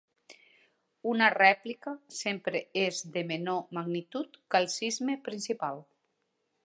Una rèplica sempre és de menor magnitud que el sisme principal.